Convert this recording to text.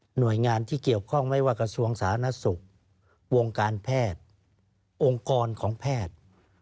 หน่วยงานที่เกี่ยวข้องไม่ว่ากระทรวงสาธารณสุขวงการแพทย์องค์กรของแพทย์